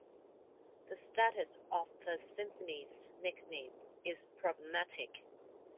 The status of the symphony's nickname is problematic.